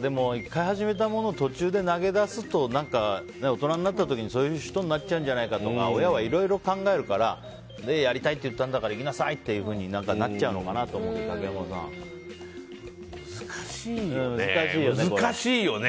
でも１回始めたものを途中で投げ出すと何か大人になった時にそういう人になっちゃうんじゃないかとか親はいろいろ考えるからやりたいって言ったんだから行きなさいっていうふうになっちゃうと思うんですけど難しいよね。